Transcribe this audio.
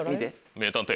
名探偵。